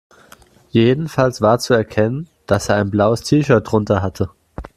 Jedenfalls war zu erkennen, dass er ein blaues T-Shirt drunter hatte.